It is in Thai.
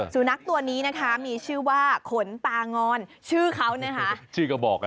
สุนัขตัวนี้นะคะมีชื่อว่าขนตางอนชื่อเขานะคะชื่อก็บอกนะ